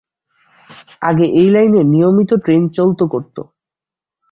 আগে এ লাইনে নিয়মিত ট্রেন চলত করতো।